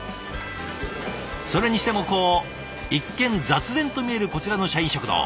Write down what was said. それにしてもこう一見雑然と見えるこちらの社員食堂。